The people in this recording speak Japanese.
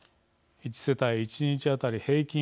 １世帯１日当たり平均